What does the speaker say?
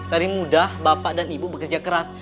dari mudah bapak dan ibu bekerja keras